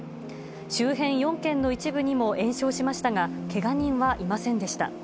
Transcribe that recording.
周辺４軒の一部にも延焼しましたが、けが人はいませんでした。